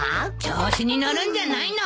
調子に乗るんじゃないの！